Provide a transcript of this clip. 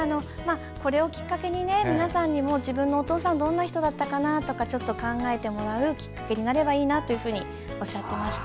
これをきっかけに皆さんにも自分のお父さんがどんな人だったかちょっと考えてもらうきっかけになればいいなとおっしゃっていました。